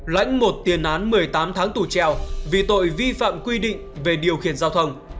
lãnh một tiền án một mươi tám tháng tù treo vì tội vi phạm quy định về điều khiển giao thông